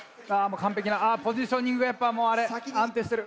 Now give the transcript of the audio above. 完璧なあポジショニングがやっぱもう安定してる。